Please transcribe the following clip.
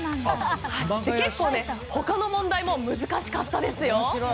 結構、他の問題も難しかったですよ。